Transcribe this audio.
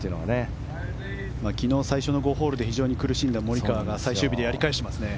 昨日最初の５ホールで苦しんだモリカワが最終日でやり返してますね。